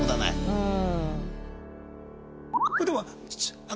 うん。